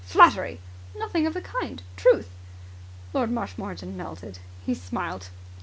Flattery!" "Nothing of the kind. Truth." Lord Marshmoreton melted. He smiled.